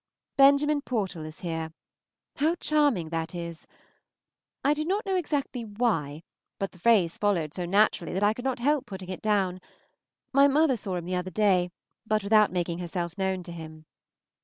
Benjamin Portal is here. How charming that is! I do not exactly know why, but the phrase followed so naturally that I could not help putting it down. My mother saw him the other day, but without making herself known to him.